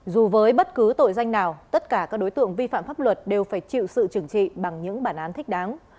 dù với bất cứ tội danh nào tất cả các đối tượng vi phạm pháp luật đều phải chịu sự trừng trị bằng những bản án thích đáng